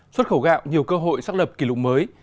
xuất khẩu gạo nhiều cơ hội xác lập kỷ lục mới